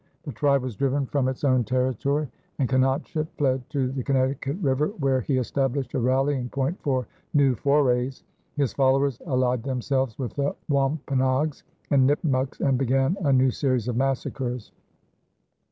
The tribe was driven from its own territory, and Canonchet fled to the Connecticut River, where he established a rallying point for new forays. His followers allied themselves with the Wampanoags and Nipmucks and began a new series of massacres.